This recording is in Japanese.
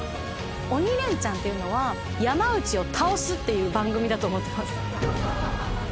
『鬼レンチャン』っていうのは山内を倒すっていう番組だと思ってます。